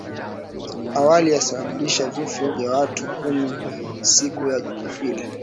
awali yalisababisha vifo vya watu kumi siku ya Jumapili